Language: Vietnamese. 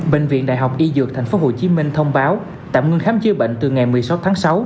bệnh viện đại học y dược tp hcm thông báo tạm ngưng khám chữa bệnh từ ngày một mươi sáu tháng sáu